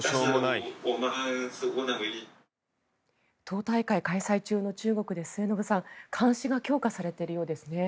党大会開催中の中国で末延さん、監視が強化されているようですね。